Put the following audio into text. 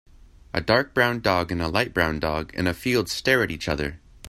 A dark brown dog and a light brown dog in a field stare at each other.